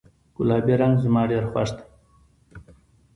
ګلابي رنګ زما ډیر خوښ ده